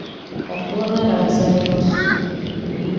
Par to neraizējos.